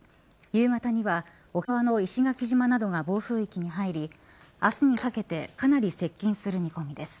夕方には、沖縄の石垣島などが暴風域に入り明日にかけてかなり接近する見込みです。